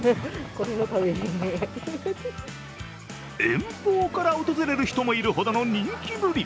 遠方から訪れる人もいるほどの人気ぶり。